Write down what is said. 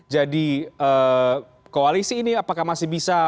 jadi koalisi ini apakah masih bisa berjalan